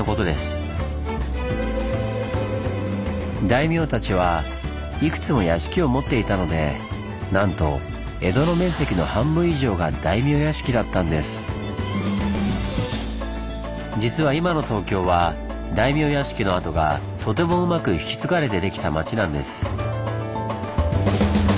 大名たちはいくつも屋敷を持っていたのでなんと実は今の東京は大名屋敷の跡がとてもうまく引き継がれて出来た町なんです。